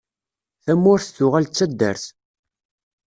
Tamurt tuɣal d taddart.